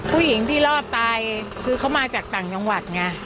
ผู้หญิงที่รอดตายคือเขามาจากต่างจังหวัดไง